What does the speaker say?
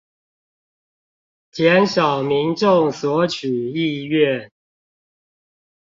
減少民眾索取意願